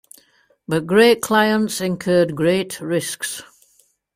But great clients incurred great risks.